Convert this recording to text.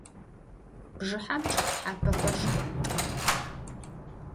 Bjjıhem ççıg thapexer şşxhuant'ex.